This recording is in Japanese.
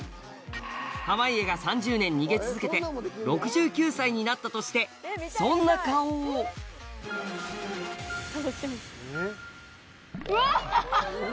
濱家が３０年逃げ続けて６９歳になったとしてそんな顔をワッハハ！